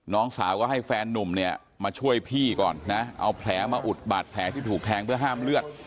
น้องสาวก็ให้แฟนนุ่มเนี่ยมาช่วยพี่ก่อนนะเอาแผลมาอุดบาดแผลที่ถูกแทงเพื่อห้ามเลือด